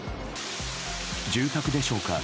住宅でしょうか。